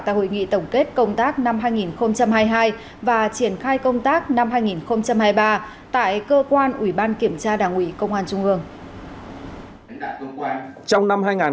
tại hội nghị tổng kết công tác năm hai nghìn hai mươi hai và triển khai công tác năm hai nghìn hai mươi ba tại cơ quan ủy ban kiểm tra đảng ủy công an trung ương